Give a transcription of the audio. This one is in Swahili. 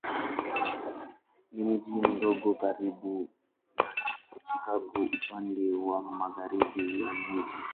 Ni mji mdogo karibu na Chicago upande wa magharibi ya mji.